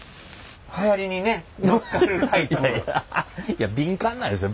いや敏感なんですよ。